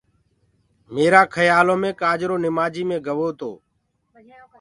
ميرآ کيآلو مي ڪآجرو نمآجيٚ مي گوو تو